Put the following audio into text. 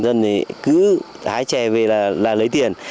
dân thì cứ hái trẻ về là lấy tiền